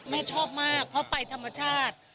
แม่ชอบมากเพราะไปธรรมชาติ